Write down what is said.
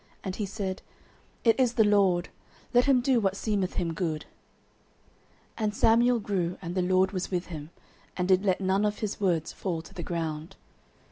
And he said, It is the LORD: let him do what seemeth him good. 09:003:019 And Samuel grew, and the LORD was with him, and did let none of his words fall to the ground.